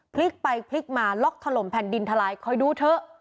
พลิกไปพลิกมาล็อกถล่มแผ่นดินทลายคอยดูเถอะ